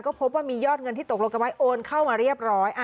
ก็พบว่ามียอดเงินที่ตกลงกันไว้โอนเข้ามาเรียบร้อย